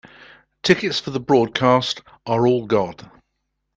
Tickets for the broadcast are all gone.